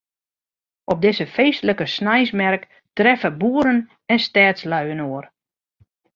Op dizze feestlike sneinsmerk treffe boeren en stedslju inoar.